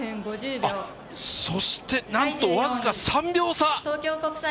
そして、なんと、わずか３秒差！